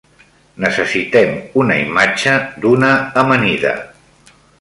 Necessitem una imatge d'una amanida.